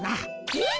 えっ？